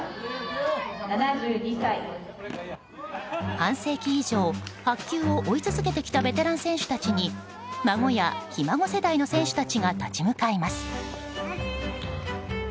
半世紀以上白球を追い続けてきたベテラン選手たちに孫や、ひ孫世代の選手たちが立ち向かいます。